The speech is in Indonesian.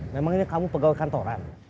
memang ini kamu pegawai kantoran